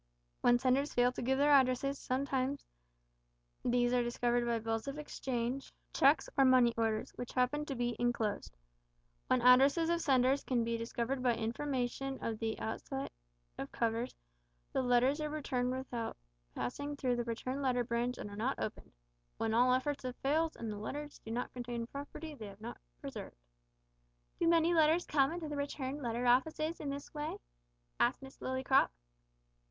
When senders fail to give their addresses, sometimes these are discovered by bills of exchange, cheques, or money orders, which happen to be enclosed. When addresses of senders can be discovered by information on the outside of covers, the letters are returned without passing through the Returned Letter Branch, and are not opened. When all efforts have failed, and the letters do not contain property, they are not preserved." "Do many letters come into the Returned Letter Offices in this way?" asked Miss Lillycrop.